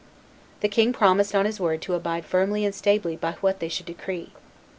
The king promised on his word to abide firmly and stably by what they should decree.